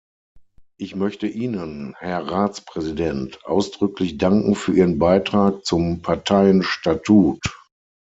Ich möchte Ihnen, Herr Ratspräsident, ausdrücklich danken für Ihren Beitrag zum Parteienstatut.